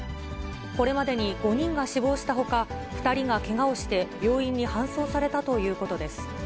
これまでに５人が死亡したほか、２人がけがをして病院に搬送されたということです。